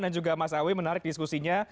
dan juga mas awi menarik diskusinya